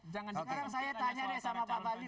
sekarang saya tanya deh sama pak pali